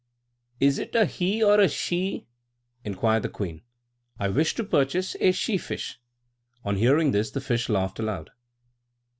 "Is it a he or a she?" inquired the queen. "I wish to purchase a she fish." On hearing this the fish laughed aloud.